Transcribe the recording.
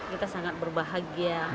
kita sangat berbahagia